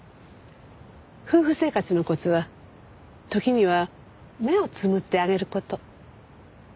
夫婦生活のコツは時には目をつむってあげる事。